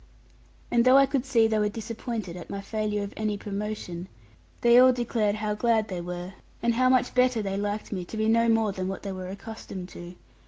And though I could see they were disappointed at my failure of any promotion, they all declared how glad they were, and how much better they liked me to be no more than what they were accustomed to.